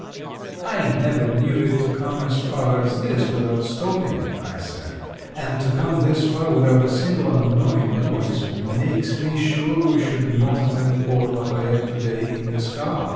"I never knew it to come as far as this without stopping," I said, "and to come this far without a single annoying noise makes me sure we should not attempt Port Lafayette to day in this car.